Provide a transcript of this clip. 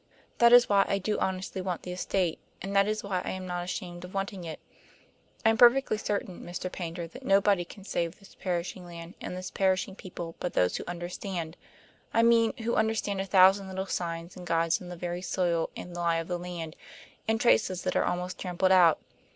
That is why I do honestly want the estate, and that is why I am not ashamed of wanting it. I am perfectly certain, Mr. Paynter, that nobody can save this perishing land and this perishing people but those who understand. I mean who understand a thousand little signs and guides in the very soil and lie of the land, and traces that are almost trampled out.